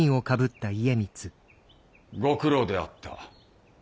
ご苦労であった。